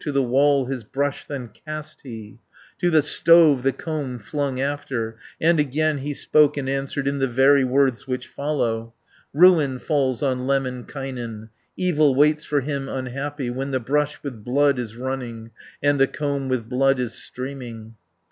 To the wall his brush then cast he, To the stove the comb flung after, And again he spoke and answered, In the very words which follow: "Ruin falls on Lemminkainen, Evil waits for him unhappy, 210 When the brush with blood is running, And the comb with blood is streaming."